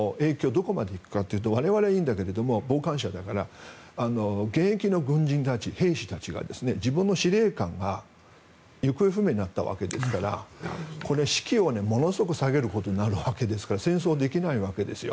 どこまでいくかというと我々はいいんだけれども傍観者だから現役の軍人たち、兵士たちが自分の司令官が行方不明になったわけですから士気をものすごく下げることになるわけですから戦争ができないわけですよ。